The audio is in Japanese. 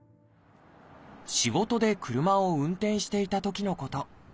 仕事で車を運転していたときのこと。